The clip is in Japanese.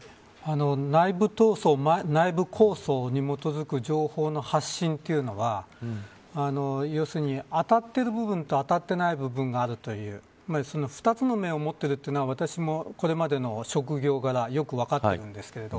内部闘争、内部抗争に基づく情報の発信というのは要するに当たっている部分と当たっていない部分があるという２つの面を持っているというのは私もこれまでの職業柄よく分かっているんですが